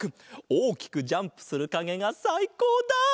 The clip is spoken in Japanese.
おおきくジャンプするかげがさいこうだ！